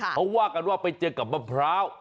เขาว่ากันว่าไปเจอกับมะพร้าว